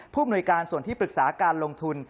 ผู้อำนวยการส่วนที่ปรึกษาการลงทุน